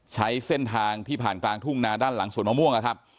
ใช้เส้นทางที่ผ่านกลางทุ่งนาด้านหลังสวนมะม่วงนะครับ